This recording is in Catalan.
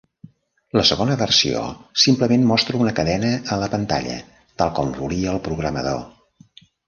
La segona versió simplement mostra una cadena a la pantalla, tal com volia el programador.